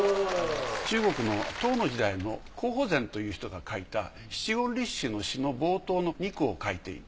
中国の唐の時代の皇甫冉という人が書いた七言律詩の詩の冒頭の二句を書いている。